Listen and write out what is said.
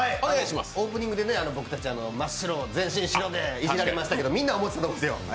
オープニングで僕たち真っ白、全身白でいじられましたけど、みんな思ってたと思うんですよ。